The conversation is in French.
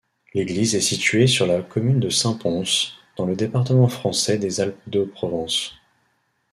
L'église est située sur la commune de Saint-Pons, dans le département français des Alpes-de-Haute-Provence.